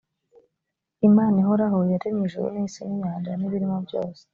imana ihoraho yaremye ijuru n’isi n’inyanja n’ibirimo byose